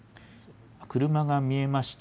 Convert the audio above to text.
車が見えました。